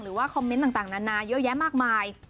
หรือว่าคอมเมนต์ต่างนานาเยอะแยะมากมาย